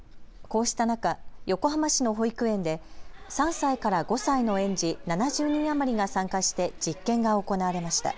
こうした中、横浜市の保育園で３歳から５歳の園児７０人余りが参加して実験が行われました。